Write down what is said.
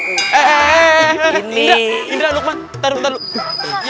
indra indra lukman taruh taruh